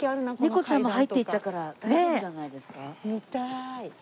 猫ちゃんも入っていったから大丈夫じゃないですか？